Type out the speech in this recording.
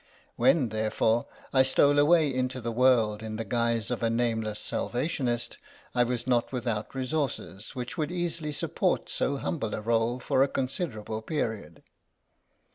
When, therefore, I stole away into the world in the guise of a name less Salvationist, I was not without resources which would easily support so humble a r61e for a considerable period.